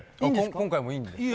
今回もいいんですか？